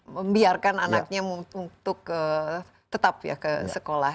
membiarkan anaknya untuk tetap ya ke sekolah